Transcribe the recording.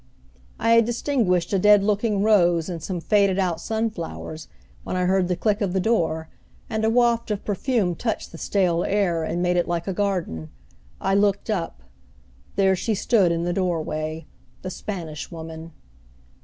I had distinguished a dead looking rose and some faded out sunflowers when I heard the click of the door, and a waft of perfume touched the stale air, and made it like a garden. I looked up. There she stood in the doorway, the Spanish Woman.